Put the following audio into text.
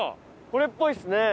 これっぽいですね。